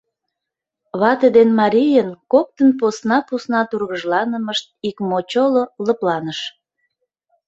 Вате ден марийын коктын посна-посна тургыжланымышт икмочоло лыпланыш.